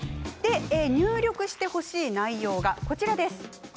入力してほしい内容がこちら。